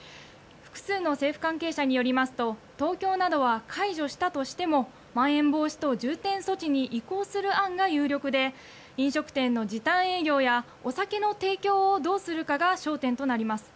複数の政府関係者によりますと東京などは解除したとしてもまん延防止等重点措置に移行する案が有力で飲食店の時短営業やお酒の提供をどうするかが焦点となります。